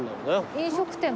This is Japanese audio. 飲食店。